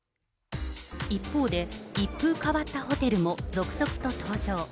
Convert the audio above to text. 一方で、一風変わったホテルも続々と登場。